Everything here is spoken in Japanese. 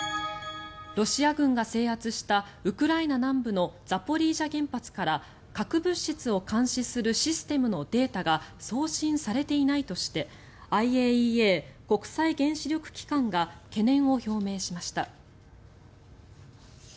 ロシア軍が制圧したウクライナ南部のザポリージャ原発から核物質を監視するシステムのデータが送信されていないとしてＩＡＥＡ・国際原子力機関が懸念を表明しました。